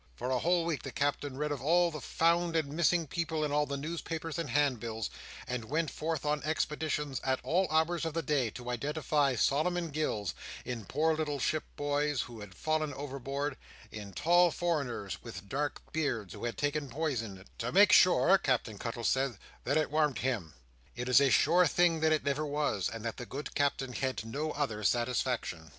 For a whole week the Captain read of all the found and missing people in all the newspapers and handbills, and went forth on expeditions at all hours of the day to identify Solomon Gills, in poor little ship boys who had fallen overboard, and in tall foreigners with dark beards who had taken poison—"to make sure," Captain Cuttle said, "that it wam't him." It is a sure thing that it never was, and that the good Captain had no other satisfaction.